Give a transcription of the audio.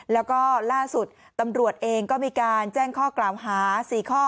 แล้วก็ล่าสุดตำรวจเองก็มีการแจ้งข้อกล่าวหา๔ข้อ